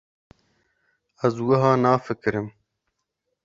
Ez wiha nafikirim.